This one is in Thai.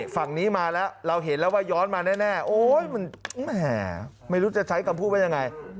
ฝั่งนี้มาแล้วเราเห็นแล้วว่าย้อนมาแน่โอ๊ยมันไม่รู้จะใช้คำพูดว่ายังไง